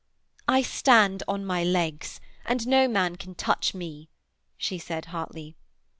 'I stand on my legs, and no man can touch me,' she said hotly.